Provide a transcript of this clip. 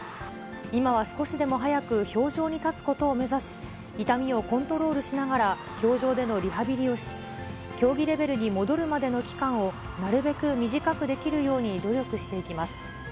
今は少しでも早く氷上に立つことを目指し、痛みをコントロールしながら氷上でのリハビリをし、競技レベルに戻るまでの期間を、なるべく短くできるように努力していきます。